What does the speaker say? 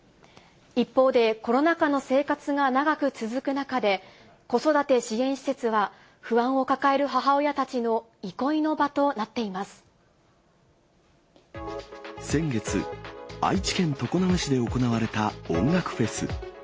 一方で、コロナ禍の生活が長く続く中で、子育て支援施設は、不安を抱える母親たちの憩いの場となっていま先月、愛知県常滑市で行われた音楽フェス。